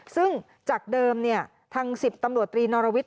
ซึ่งจากเดิมทาง๑๐ตำรวจตรีนอรวิทย